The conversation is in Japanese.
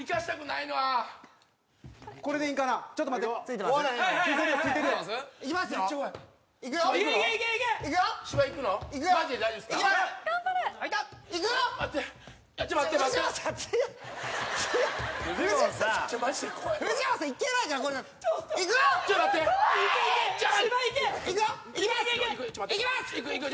いきます！